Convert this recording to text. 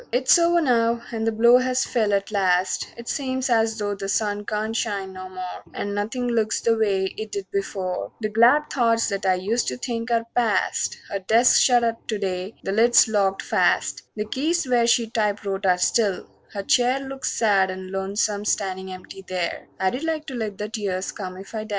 XXVII It's over now; the blow has fell at last; It seems as though the sun can't shine no more, And nothing looks the way it did before; The glad thoughts that I used to think are past. Her desk's shut up to day, the lid's locked fast; The keys where she typewrote are still; her chair Looks sad and lonesome standin' empty there I'd like to let the tears come if I dast.